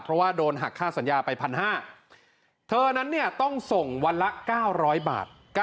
เพราะว่าโดนหักค่าสัญญาไป๑๕๐๐บาทเธอนั้นเนี่ยต้องส่งวันละ๙๐๐บาท